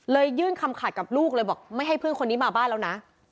ยื่นคำขาดกับลูกเลยบอกไม่ให้เพื่อนคนนี้มาบ้านแล้วนะ